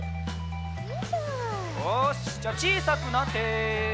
よしじゃあちいさくなって。